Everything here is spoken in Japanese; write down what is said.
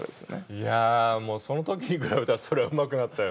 いやその時に比べたらそりゃうまくなったよ。